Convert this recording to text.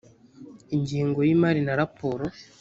ingengo y imari na raporo